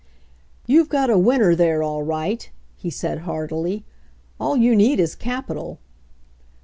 "You've got a winner there, all right/' he said heartily. "All you need is capital."